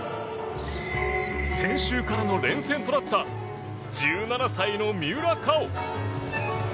先週からの連戦となった１７歳の三浦佳生。